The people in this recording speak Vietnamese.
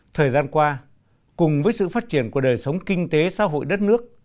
thời gian qua cùng với sự phát triển của đời sống kinh tế xã hội đất nước